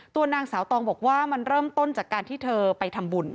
ตัวนางสาวตองบอกว่ามันเริ่มต้นจากการที่เธอไปทำบุญ